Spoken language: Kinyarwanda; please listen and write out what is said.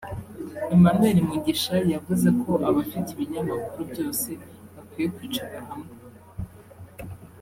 Emmanuel Mugisha yavuze ko abafite ibinyamakuru byose bakwiye kwicara hamwe